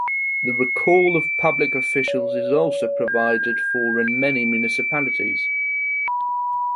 The recall of public officials is also provided for in many municipalities.